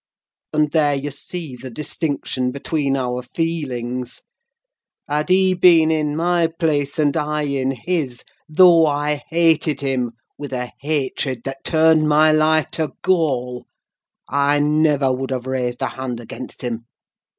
And there you see the distinction between our feelings: had he been in my place, and I in his, though I hated him with a hatred that turned my life to gall, I never would have raised a hand against him.